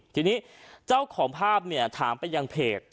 ทีนี้เจ้าของภาพเนี่ยถามไปยังเพจ